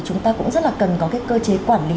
chúng ta cũng rất là cần có cái cơ chế quản lý